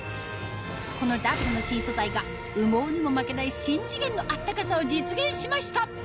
このダブルの新素材が羽毛にも負けない新次元のあったかさを実現しました